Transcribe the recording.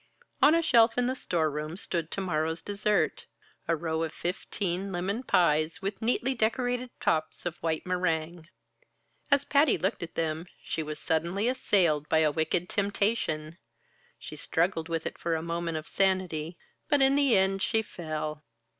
On a shelf in the storeroom stood to morrow's dessert a row of fifteen lemon pies, with neatly decorated tops of white meringue. As Patty looked at them, she was suddenly assailed by a wicked temptation; she struggled with it for a moment of sanity, but in the end she fell.